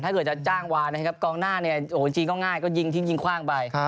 ถ้าเกิดจะจ้างวานนะครับกองหน้าเนี่ยโอ้โหจริงก็ง่ายก็ยิงทิ้งยิงคว่างไป